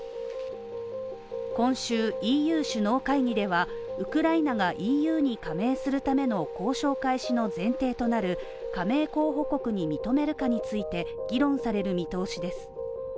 今週、ＥＵ首脳会議では、ウクライナがＥＵに加盟するための交渉開始の前提となる加盟候補国に認めるかについて議論される見通しです。